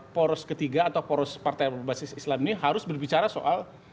poros ketiga atau poros partai berbasis islam ini harus berbicara soal